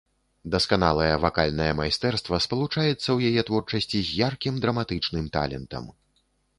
Дасканалае вакальнае майстэрства спалучаецца ў яе творчасці з яркім драматычным талентам.